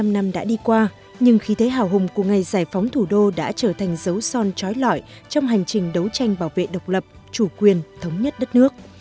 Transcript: bảy mươi năm năm đã đi qua nhưng khí thế hào hùng của ngày giải phóng thủ đô đã trở thành dấu son trói lõi trong hành trình đấu tranh bảo vệ độc lập chủ quyền thống nhất đất nước